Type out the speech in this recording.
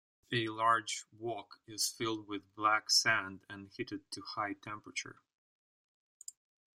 A large wok is filled with black sand and heated to high temperature.